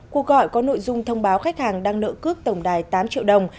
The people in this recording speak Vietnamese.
cuộc gọi có nội dung thông báo khách hàng đang nợ cướp tổng đài tám triệu đồng